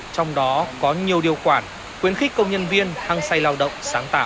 trong đó có nhiều điều quản quyến khích công nhân viên hăng xây lao động sáng tạo